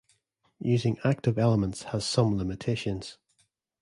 Using active elements has some limitations.